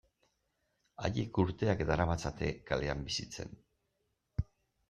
Haiek urteak daramatzate kalean bizitzen.